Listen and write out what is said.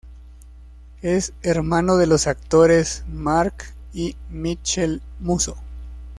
Es hermano de los actores Marc y Mitchel Musso.